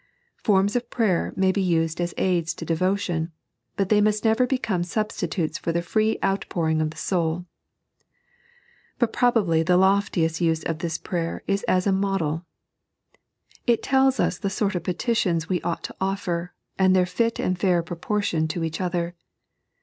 Fonns of prayer may be used as aids to devotion, but they must never become substitutes for the free out pouring of the soul. But probably the loftiest use of this prayer is as a modd. It tells us the sort of petitions we ought to offer, and their fit and fair proportion to each other.